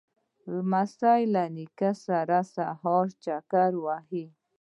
لمسی له نیکه سره د سهار چکر وهي.